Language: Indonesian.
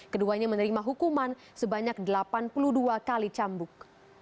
keduanya menerima hukuman sebanyak delapan puluh dua kali cambuk